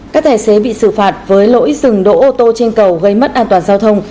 các tài xế bị xử phạt với lỗi dừng đỗ ô tô trên cầu gây mất an toàn giao thông